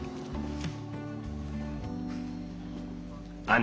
あ。